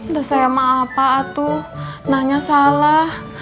udah saya maaf pak atuh nanya salah